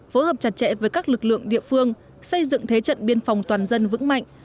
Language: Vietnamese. phối hợp chặt chẽ với các lực lượng địa phương xây dựng thế trận biên phòng toàn dân vững mạnh